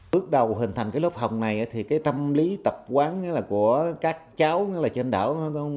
bước đầu hình thành lớp học này thì tâm lý tập quán của các cháu trên đảo